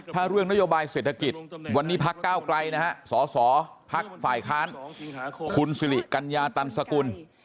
ถ้าเรื่องนโยบายเศรษฐกิจวันนี้พักก้าวไกลนะฮะสสพักฝ่ายค้านคุณสิริกัญญาตันสกุล